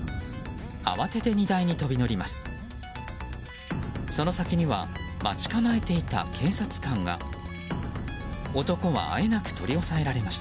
慌てて荷台に飛び乗ります。